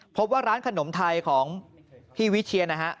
พบว่าร้านขนมไทยของพี่วิเชียนะฮะ